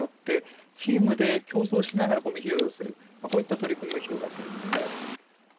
これを掛け合わせることによってチームで競争しながらごみ拾いをする、こういった取り組みも広がっているんですね。